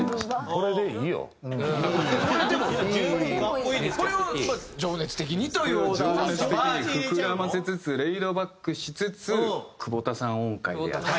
これを情熱的に膨らませつつレイドバックしつつ久保田さん音階でやると。